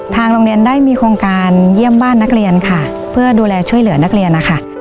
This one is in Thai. ทางโรงเรียนได้มีโครงการเยี่ยมบ้านนักเรียนค่ะเพื่อดูแลช่วยเหลือนักเรียนนะคะ